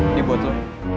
ini buat lo